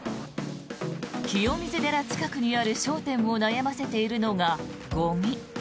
清水寺近くにある商店を悩ませているのがゴミ。